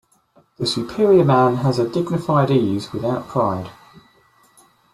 The superior man has a dignified ease without pride.